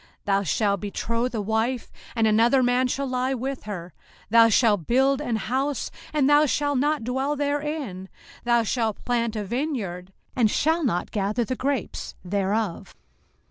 05:028:030 Thou shalt betroth a wife, and another man shall lie with her: thou shalt build an house, and thou shalt not dwell therein: thou shalt plant a vineyard, and shalt not gather the grapes thereof.